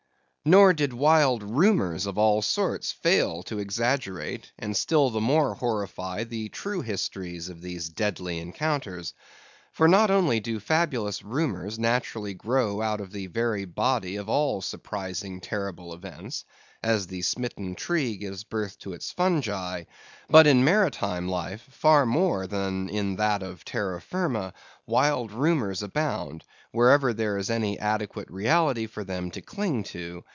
Nor did wild rumors of all sorts fail to exaggerate, and still the more horrify the true histories of these deadly encounters. For not only do fabulous rumors naturally grow out of the very body of all surprising terrible events,—as the smitten tree gives birth to its fungi; but, in maritime life, far more than in that of terra firma, wild rumors abound, wherever there is any adequate reality for them to cling to.